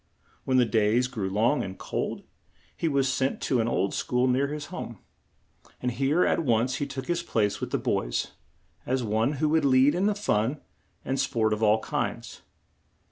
When the days grew long and cold, he was sent to an old school near his home, and here he at once took his place with the boys, as one who would lead in fun and sport of all kinds.